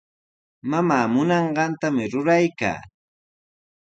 Mamaa munanqantami ruraykaa.